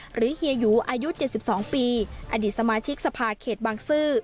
เฮียหยูอายุ๗๒ปีอดีตสมาชิกสภาเขตบางซื่อ